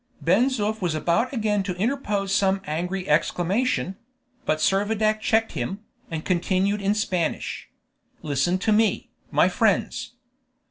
Ben Zoof was about again to interpose some angry exclamation; but Servadac checked him, and continued in Spanish: "Listen to me, my friends.